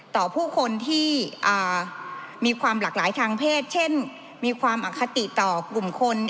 ต่อผู้คนที่มีความหลากหลายทางเพศเช่นมีความอคติต่อกลุ่มคน